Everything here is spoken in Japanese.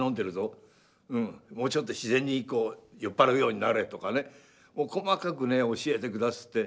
もうちょっと自然に酔っ払うようになれ」とかねもう細かくね教えてくだすって。